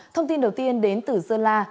thông tin đầu tiên đến từ sơn la